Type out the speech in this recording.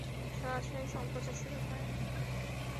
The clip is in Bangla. সরাসরি সম্প্রচার শুরু করেন।